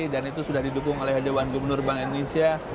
dan itu sudah didukung oleh dewan gubernur bank indonesia